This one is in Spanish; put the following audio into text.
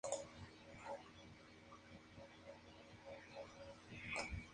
Big Comic Spirits